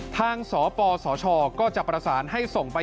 สปสชก็จะประสานให้ส่งไป